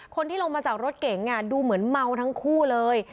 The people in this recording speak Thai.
คนที่ลงมาจากรถเก๋งดูเหมือนเมาทั้งคู่เลย